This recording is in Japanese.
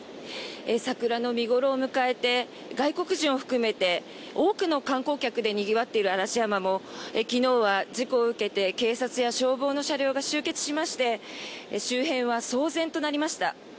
桜の見頃を迎えて外国人を含めて多くの観光客でにぎわっている嵐山も昨日は事故を受けて警察や消防の車両が集結しまして周辺は騒然となりました。